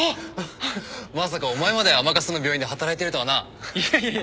まさかお前まで甘春の病院で働いてるとはな。